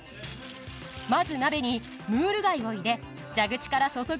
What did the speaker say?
まず鍋にムール貝を入れ蛇口から注ぐのが白ワイン。